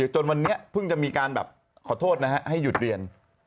จนวันนี้เพิ่งจะมีการแบบขอโทษนะฮะให้หยุดเรียน